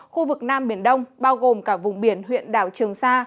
khu vực nam biển đông bao gồm cả vùng biển huyện đảo trường sa